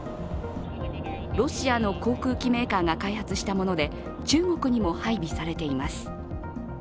ロシアの航空機メーカーが開発したもので中国にも配備されています。